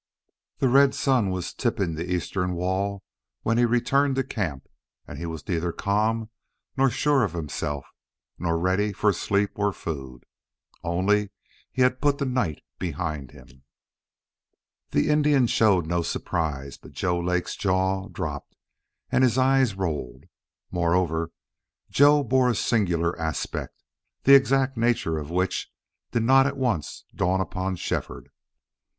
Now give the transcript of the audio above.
The red sun was tipping the eastern wall when he returned to camp, and he was neither calm nor sure of himself nor ready for sleep or food. Only he had put the night behind him. The Indian showed no surprise. But Joe Lake's jaw dropped and his eyes rolled. Moreover, Joe bore a singular aspect, the exact nature of which did not at once dawn upon Shefford.